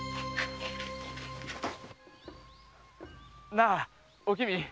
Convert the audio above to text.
なあおきみ